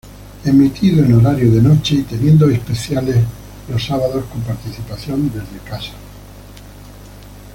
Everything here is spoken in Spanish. Emitido en horario de noche y teniendo especiales los sábados, con participación desde casa.